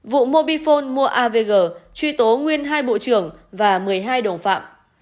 vụ mobifone mua avg truy tố nguyên hai bộ trưởng và một mươi hai đồng phạm